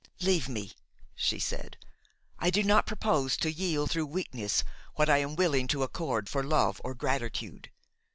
"Leave me," she said; "I do not propose to yield through weakness what I am willing to accord for love or gratitude.